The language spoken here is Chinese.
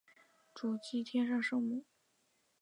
主祀天上圣母。